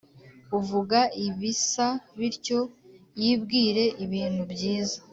Uvuga ibisa bityo yibwire ibintu byiza